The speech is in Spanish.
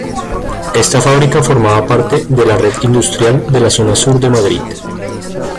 Esta fábrica formaba parte de la red industrial de la zona sur de Madrid.